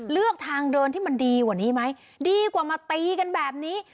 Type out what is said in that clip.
เลือกทางเดินที่มันดีกว่านี้ไหมดีกว่ามาตีกันแบบนี้